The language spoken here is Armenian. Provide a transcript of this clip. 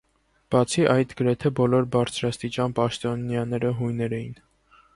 Բացի այդ գրեթե բոլոր բարձրաստիճան պաշտոնյաները հույներ էին։